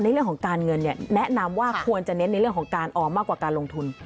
เรื่องของการเงินแนะนำว่าควรจะเน้นในเรื่องของการออมมากกว่าการลงทุน